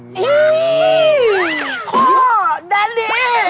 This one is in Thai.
คต๊อบแดดนี่